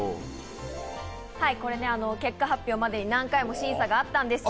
結果発表までに何回も審査があったんですが。